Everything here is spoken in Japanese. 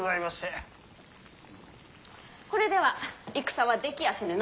これでは戦はできやせぬな。